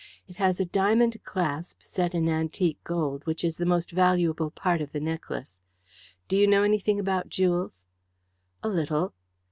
It has a diamond clasp, set in antique gold, which is the most valuable part of the necklace. Do you know anything about jewels?" "A little."